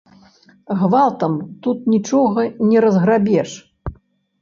Гвалтам тут нічога не разграбеш.